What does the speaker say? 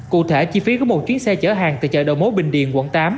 cụ thể chi phí của một chuyến xe chở hàng từ chợ đầu mối bình điền quận tám